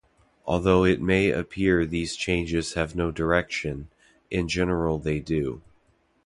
Although it may appear these changes have no direction, in general they do.